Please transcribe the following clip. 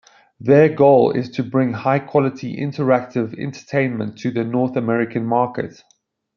Their goal is to bring high-quality interactive entertainment to the North American market.